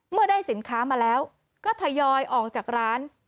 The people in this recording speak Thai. เมื่อได้สินค้ามาแล้วก็ทยอยออกจากร้าน